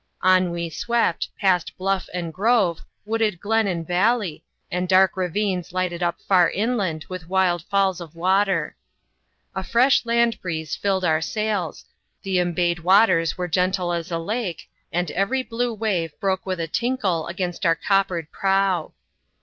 On we swept, past bluff and grov'e, wooded glen and valley, and dark ravines lighted up far inland with wild falls of water. A fresh land breeze filled our sails, the embayed waters were gentle as a lake, and every blue wave broke with a tinkle against our coppered prow.